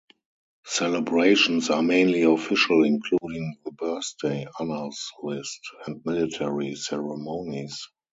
Celebrations are mainly official, including the Birthday Honours list and military ceremonies.